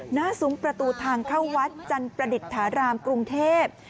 ซุ้มประตูทางเข้าวัดจันประดิษฐารามกรุงเทพ